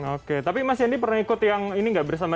oke tapi mas yandi pernah ikut yang ini gak bersama